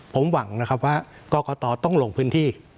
ผมหวังนะครับว่ากรกตต้องลงพื้นที่